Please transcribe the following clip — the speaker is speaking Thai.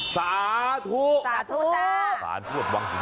สาธุ